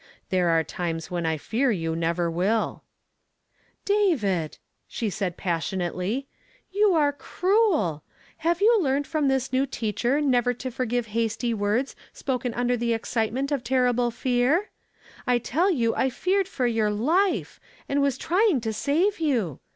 There are times when I fear you never will," • "David!" she said passionately, "youarecruoP J lave you learned from this new teacher never to forgive hasty words spoken under the excitement of terrible fear? I tell you I feared for your life and was trying to save you!